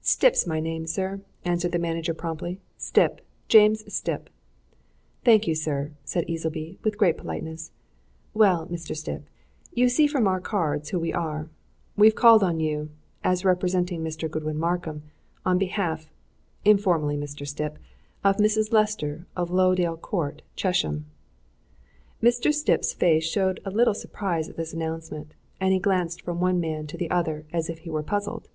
"Stipp's my name, sir," answered the manager promptly. "Stipp James Stipp." "Thank you, sir," said Easleby, with great politeness. "Well, Mr. Stipp, you see from our cards who we are. We've called on you as representing Mr. Godwin Markham on behalf informally, Mr. Stipp of Mrs. Lester, of Lowdale Court, Chesham." Mr. Stipp's face showed a little surprise at this announcement, and he glanced from one man to the other as if he were puzzled.